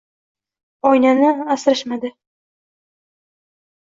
Oynani asrashmadi.